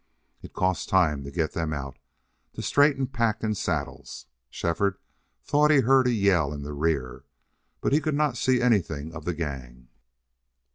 It cost time to get them out, to straighten pack and saddles. Shefford thought he heard a yell in the rear, but he could not see anything of the gang.